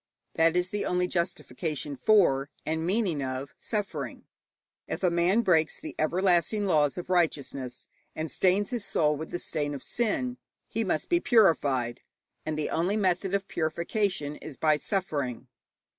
That is the only justification for, and meaning of, suffering. If a man breaks the everlasting laws of righteousness and stains his soul with the stain of sin, he must be purified, and the only method of purification is by suffering.